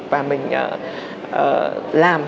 và mình làm